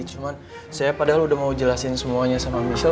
cuma saya padahal udah mau jelasin semuanya sama michelle